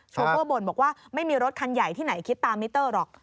โชเฟอร์บ่นบอกว่าไม่มีรถคันใหญ่ที่ไหนคิดตามมิเตอร์หรอก